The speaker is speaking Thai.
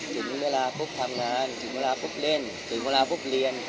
จุดงั้นเวลาพบทำงานจุดก็เล่นจุดม่ลาพบเรียน